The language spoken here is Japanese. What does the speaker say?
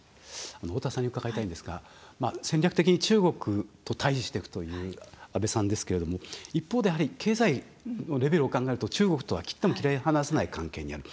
大田さんに伺いたいんですが戦略的に中国と対じしていくという安倍さんですけれども一方でやはり、経済のレベルを考えると中国とは切っても切り離せない関係にある。